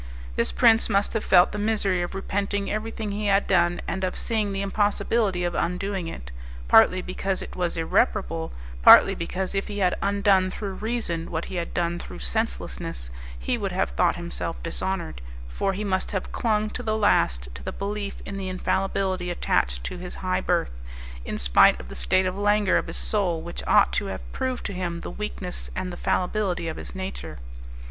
This prince must have felt the misery of repenting everything he had done and of seeing the impossibility of undoing it, partly because it was irreparable, partly because if he had undone through reason what he had done through senselessness, he would have thought himself dishonoured, for he must have clung to the last to the belief of the infallibility attached to his high birth, in spite of the state of languor of his soul which ought to have proved to him the weakness and the fallibility of his nature.